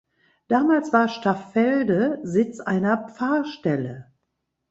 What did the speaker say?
Damals war Staffelde Sitz einer Pfarrstelle.